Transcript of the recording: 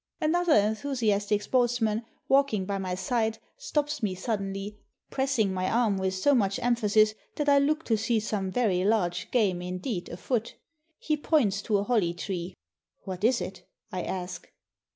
Another 630 A PORTUGUESE SHOOTING PARTY enthusiastic sportsman walking by my side stops me suddenly, pressing my arm with so much emphasis that I look to see some very large game indeed afoot. He points to a holly tree. "What is it?" I ask.